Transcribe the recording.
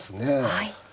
はい。